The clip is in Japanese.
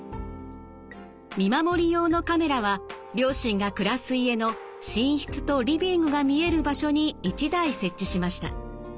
見守り用のカメラは両親が暮らす家の寝室とリビングが見える場所に１台設置しました。